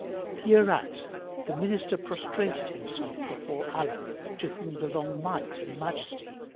Hereat the Minister prostrated himself before Allah (to whom belong Might and Majesty!)